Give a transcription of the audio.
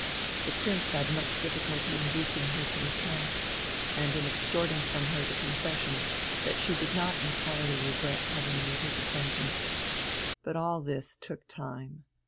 The Prince had much difficulty in inducing her to recant, and in extorting from her the confession that she did not entirely regret having made his acquaintance. But all this took time.